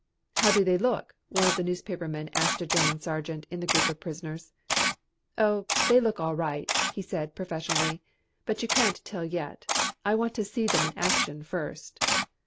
"How do they look?" one of the newspapermen asked a German sergeant in the group of prisoners. "Oh, they look all right," he said professionally, "but you can't tell yet. I'd want to see them in action first."